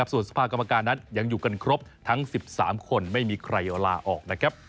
ส่วนสภากรรมการนั้นยังอยู่กันครบทั้ง๑๓คนไม่มีใครลาออกนะครับ